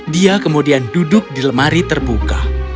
dia kemudian duduk di lemari terbuka